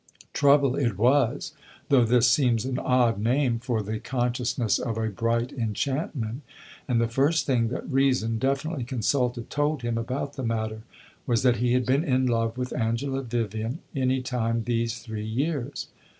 Trouble it was, though this seems an odd name for the consciousness of a bright enchantment; and the first thing that reason, definitely consulted, told him about the matter was that he had been in love with Angela Vivian any time these three years.